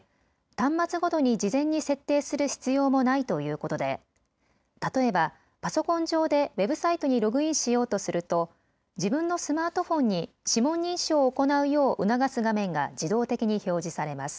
端末ごとに事前に設定する必要もないということでたとえばパソコン上でウェブサイトにログインしようとすると自分のスマートフォンに指紋認証を行うよう促す画面が自動的に表示されます。